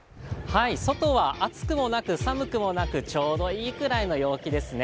外は暑くもなく、寒くもなく、ちょうどいい陽気ですね。